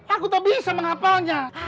aku tak bisa mengapalnya